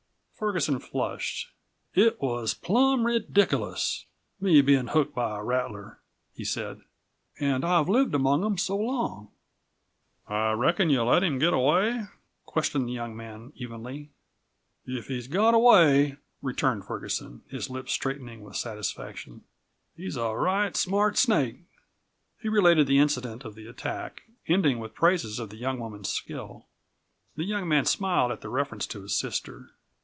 Ferguson flushed. "It was plum rediculous, me bein' hooked by a rattler," he said. "An' I've lived among them so long." "I reckon you let him get away?" questioned the young man evenly. "If he's got away," returned Ferguson, his lips straightening with satisfaction, "he's a right smart snake." He related the incident of the attack, ending with praises of the young woman's skill. The young man smiled at the reference to his sister.